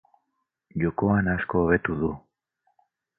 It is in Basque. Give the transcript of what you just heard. Jokoan asko hobetu du.